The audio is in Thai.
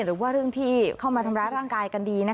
หรือว่าเรื่องที่เข้ามาทำร้ายร่างกายกันดี